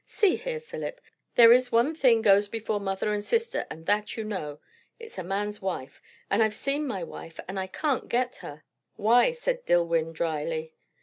"See here, Philip. There is one thing goes before mother and sister; and that you know. It's a man's wife. And I've seen my wife, and I can't get her." "Why?" said Dillwyri dryly.